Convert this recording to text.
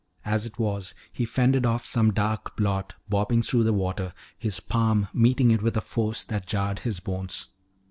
As it was, he fended off some dark blot bobbing through the water, his palm meeting it with a force that jarred his bones.